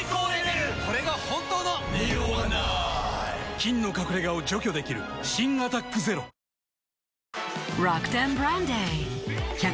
菌の隠れ家を除去できる新「アタックＺＥＲＯ」ハロー！